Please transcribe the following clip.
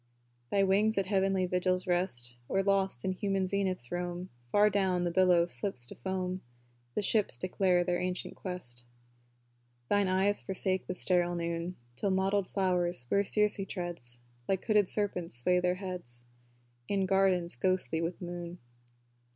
Thy wings at heavenly vigils rest, Or lost in human zeniths roam Far down, the billow slips to foam; The ships declare their ancient quest. Thine eyes forsake the sterile noon, Till mottled flowers, where Circe treads, Like hooded serpents sway their heads, In gardens ghostly with the moon.